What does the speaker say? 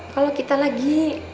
kalau kita lagi